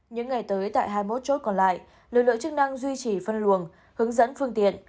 những ngày tới tại hai mươi một chốt còn lại lực lượng chức năng duy trì phân luồng hướng dẫn phương tiện